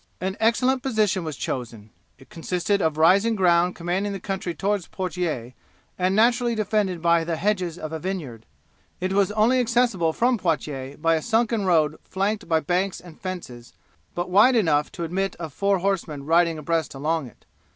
An excellent position was chosen. It consisted of rising ground commanding the country towards Poitiers, and naturally defended by the hedges of a vineyard. It was only accessible from Poitiers by a sunken road flanked by banks and fences, and but wide enough to admit of four horsemen riding abreast along it.